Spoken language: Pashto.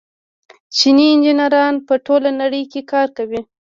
چیني انجنیران په ټوله نړۍ کې کار کوي.